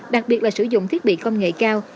đặc biệt là sử dụng thiết bị công nghệ cao